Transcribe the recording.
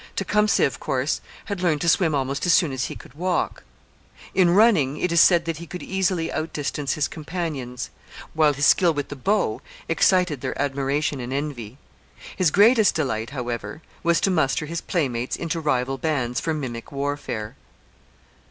Tecumseh, of course, had learned to swim almost as soon as he could walk; in running it is said that he could easily out distance his companions; while his skill with the bow excited their admiration and envy. His greatest delight, however, was to muster his playmates into rival bands for mimic warfare.